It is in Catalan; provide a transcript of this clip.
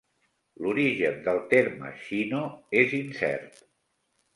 L'origen del terme "shino" és incert.